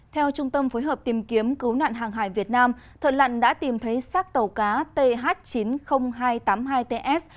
theo trung tâm phối hợp tìm kiếm cứu nạn hàng hải việt nam thợ lặn đã tìm thấy sát tàu cá th chín mươi nghìn hai trăm tám mươi hai ts